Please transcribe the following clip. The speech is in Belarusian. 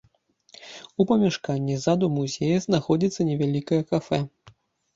У памяшканні ззаду музея знаходзіцца невялікае кафэ.